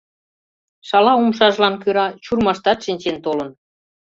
Шалаумшажлан кӧра чурмаштат шинчен толын.